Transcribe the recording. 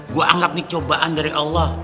gua anggap ini cobaan dari allah